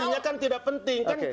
maksudnya kan tidak penting